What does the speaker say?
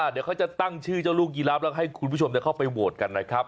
เดี๋ยวเขาจะตั้งชื่อเจ้าลูกยีรับแล้วให้คุณผู้ชมเข้าไปโหวตกันนะครับ